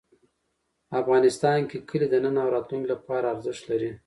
افغانستان کې کلي د نن او راتلونکي لپاره ارزښت لري.